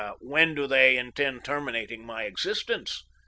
"When do they intend terminating my existence?"